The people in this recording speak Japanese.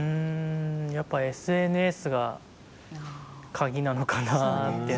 やっぱりＳＮＳが鍵なのかなって。